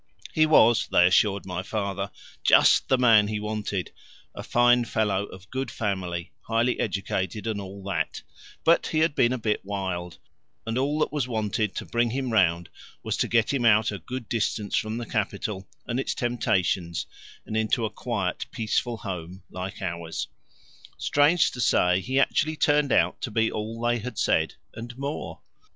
He was, they assured my father, just the man he wanted, a fine fellow of good family, highly educated and all that; but he had been a bit wild, and all that was wanted to bring him round was to get him out a good distance from the capital and its temptations and into a quiet, peaceful home like ours. Strange to say, he actually turned out to be all they had said, and more.